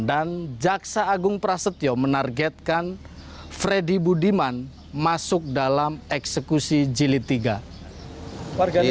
dan jaksa agung prasetyo menargetkan freddy budiman masuk dalam eksekusi jili tiga